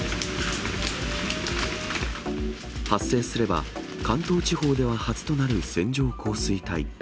発生すれば、関東地方では初となる線状降水帯。